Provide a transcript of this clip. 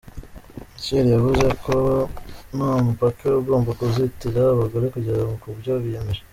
Michelle yavuze ko nta mupaka ugomba kuzitira abagore kugera ku byo biyemeje.